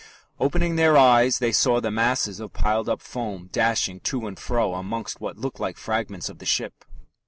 Opening their eyes, they saw the masses of piled up foam dashing to and fro amongst what looked like fragments of the ship.